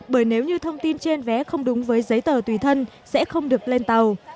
bởi nếu như thông tin trên vé không đúng với giấy tờ tùy thân sẽ không được lên tàu